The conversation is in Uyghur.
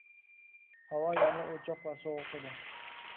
ھاۋا يەنىلا ئوچۇق ۋە سوغۇق ئىدى.